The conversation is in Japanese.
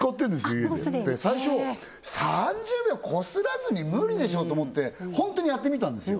家でもう既に最初３０秒擦らずに無理でしょと思ってホントにやってみたんですよ